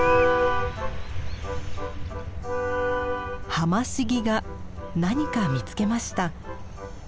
ハマシギが何か見つけました。